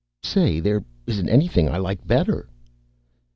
"Say, there isn't anything I like better."